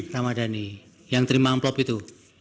ramadhani yang terima amplop itu